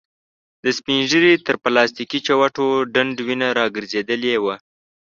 د سپين ږيري تر پلاستيکې چوټو ډنډ وينه را ګرځېدلې وه.